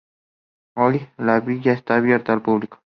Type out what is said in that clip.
Hoy, la villa está abierta al público.